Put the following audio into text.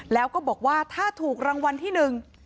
แล้วก็บอกว่าถ้าถูกรางวัลที่หนึ่ง